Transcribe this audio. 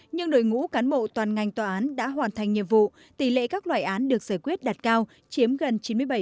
nhưng đội ngũ cán bộ toàn ngành tòa án đã hoàn thành nhiệm vụ tỷ lệ các loại án được giải quyết đạt cao chiếm gần chín mươi bảy